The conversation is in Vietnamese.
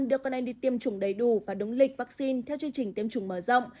đưa con em đi tiêm chủng đầy đủ và đúng lịch vaccine theo chương trình tiêm chủng mở rộng